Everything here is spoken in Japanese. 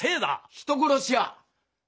人殺しや！